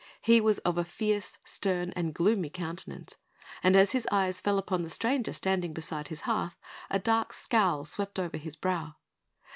He was of a fierce, stern, and gloomy countenance; and as his eyes fell upon the stranger standing beside his hearth, a dark scowl swept over his brow.